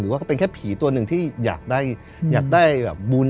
ว่าก็เป็นแค่ผีตัวหนึ่งที่อยากได้บุญ